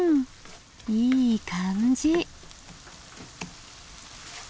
いい感じ。